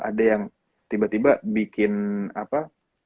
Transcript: ada yang tiba tiba bikin apa